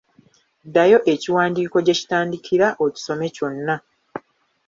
Ddayo ekiwandiiko gye kitandikira okisome kyonna.